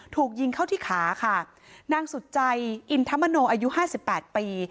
ถูกยิงเข้าที่ขาค่ะนางสุดใจอินทมโนอายุห้าสิบแปดปี